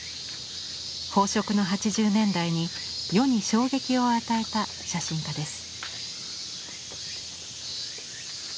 飽食の８０年代に世に衝撃を与えた写真家です。